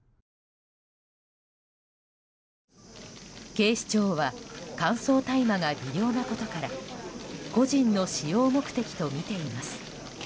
警視庁は乾燥大麻が微量なことから個人の使用目的とみています。